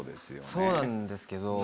そうなんですけど。